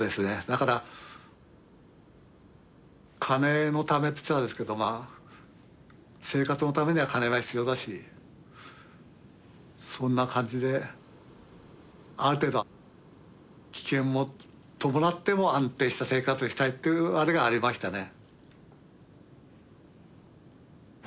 だから金のためっつっちゃあれですけどまあ生活のためには金が必要だしそんな感じである程度危険も伴っても安定した生活をしたいっていうあれがありましたね。